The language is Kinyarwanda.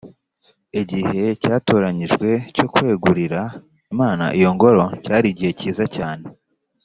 igihe cyatoranyijwe cyo kwegurira imana iyo ngoro cyari igihe cyiza cyane